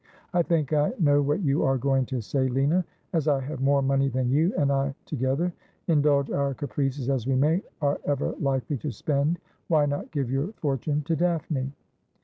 I think I know what you are going to say, Lina. As I have more money than you and I together — indulge our caprices as we may — are ever likely to spend, why not give your fortune to Daphne